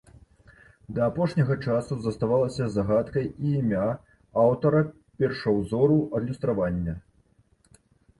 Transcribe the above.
Да апошняга часу заставалася загадкай і імя аўтара першаўзору адлюстравання.